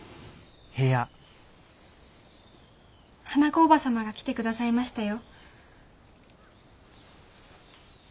花子おば様が来て下さいましたよ。